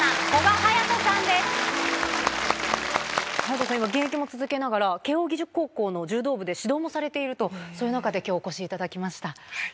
颯人さん、今現役も続けながら、慶應義塾高校の柔道部で指導もされていると、そういう中できょう、お越しいただきました。